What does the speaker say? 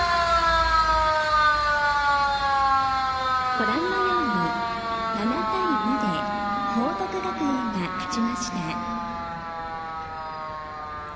ご覧のように７対２で報徳学園が勝ちました。